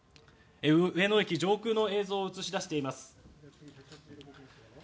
上野駅上空の映像を映し出しています。